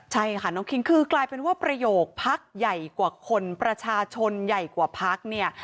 ใช่ค่ะน้องคิงคือกลายเป็นว่าประโยคพักใหญ่กว่าคนประชาชนใหญ่กว่าพักเนี่ย